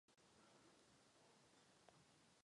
Jeho čas vyprší.